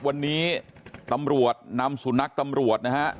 วันนี้ตำรวจนำสุนัขตำรวจนะฮะ